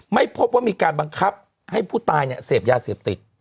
ไม่พบว่ามีการบังคับให้ผู้ตายเนี่ยเสพยาเสพติด